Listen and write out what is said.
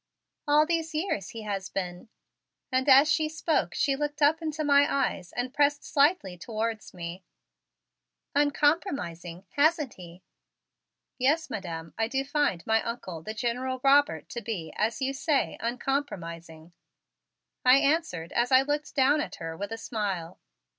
All these years he has been" and as she spoke she looked up into my eyes and pressed slightly towards me "uncompromising, hasn't he?" "Yes, Madam, I do find my Uncle, the General Robert, to be, as you say, uncompromising," I answered as I looked down at her with a smile.